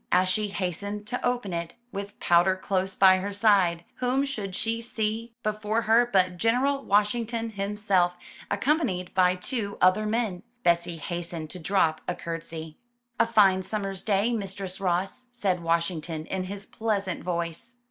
As she hastened to open it, with Powder close by her side, whom should she see before her but General Washington himself, accompanied by two other men. Betsy hastened to drop a curtsy. A fine summer's day. Mistress Ross," said Wash ington in his pleasant voice.